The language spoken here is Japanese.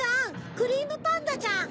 クリームパンダちゃん。